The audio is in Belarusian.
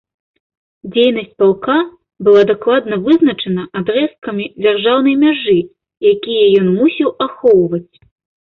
Дзейнасць палка была дакладна вызначана адрэзкамі дзяржаўнай мяжы, якія ён мусіў ахоўваць.